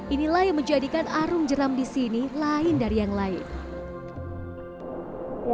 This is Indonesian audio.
inilah yang menjadikan arung jeram di sini lain dari yang lain